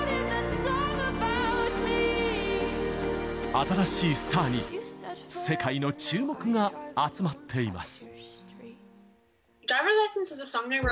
新しいスターに世界の注目が集まっています。